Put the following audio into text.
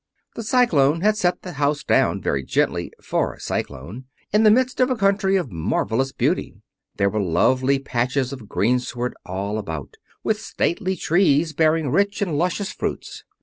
The cyclone had set the house down very gently—for a cyclone—in the midst of a country of marvelous beauty. There were lovely patches of greensward all about, with stately trees bearing rich and luscious fruits.